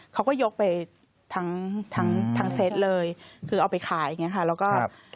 เขาก็ยกไปทั้งเซตเลยคือเอาไปขายอย่างนี้ค่ะ